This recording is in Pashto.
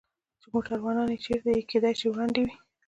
چې موټروانان یې چېرې دي؟ کېدای شي وړاندې وي.